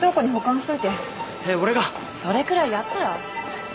それくらいやったら？